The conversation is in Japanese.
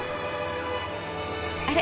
あれ？